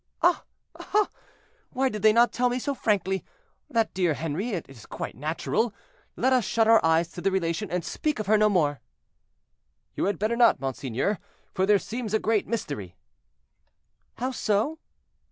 "Ah! ah! why did they not tell me so frankly. That dear Henri—it is quite natural. Let us shut our eyes to the relation, and speak of her no more." "You had better not, monseigneur, for there seems a great mystery." "How so?"